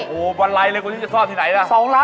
โอ้โฮวันใลเดือนจะซ่อนทีไหนนะ